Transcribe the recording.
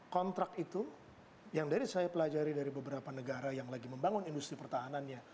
kontrak itu yang dari saya pelajari dari beberapa negara yang lagi membangun industri pertahanannya